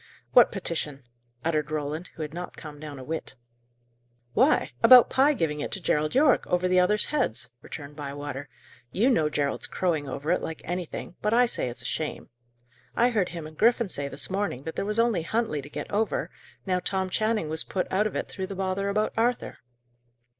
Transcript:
"What petition?" uttered Roland, who had not calmed down a whit. "Why! about Pye giving it to Gerald Yorke, over the others' heads," returned Bywater. "You know Gerald's crowing over it, like anything, but I say it's a shame. I heard him and Griffin say this morning that there was only Huntley to get over, now Tom Channing was put out of it through the bother about Arthur."